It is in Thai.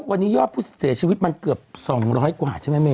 วันนี้ยอดผู้เสียชีวิตมันเกือบ๒๐๐กว่าใช่ไหมเมย